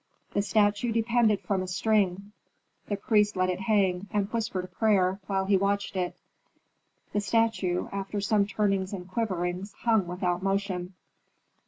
The statue depended from a string; the priest let it hang, and whispered a prayer, while he watched it. The statue, after some turnings and quiverings, hung without motion.